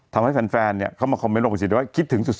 ทำให้แฟนเข้ามาคอมเมตลงไปสิว่าคิดถึงสุด